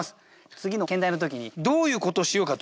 次の兼題の時にどういうことしようかと。